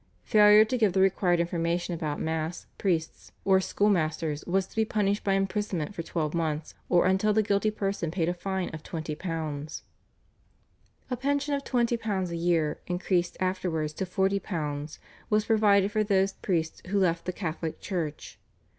Failure to give the required information about Mass, priests, or school masters was to be punished by imprisonment for twelve months or until the guilty person paid a fine of £20. A pension of £20 a year, increased afterwards to £40, was provided for those priests who left the Catholic Church.